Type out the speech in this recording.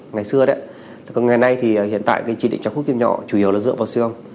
ngày nay thì hiện tại chỉ định chọc hút kim nhỏ chủ yếu là dựa vào sư âm